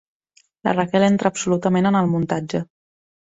La Raquel entra absolutament en el muntatge.